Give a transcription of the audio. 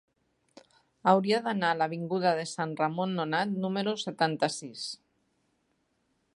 Hauria d'anar a l'avinguda de Sant Ramon Nonat número setanta-sis.